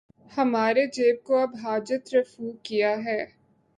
ہمارے جیب کو اب حاجت رفو کیا ہے